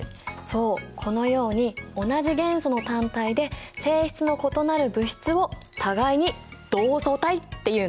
そうこのように同じ元素の単体で性質の異なる物質を互いに同素体っていうんだ。